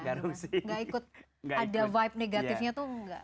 gak ikut ada vibe negatifnya tuh gak